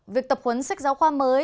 việc tập huấn sách giáo khoa mới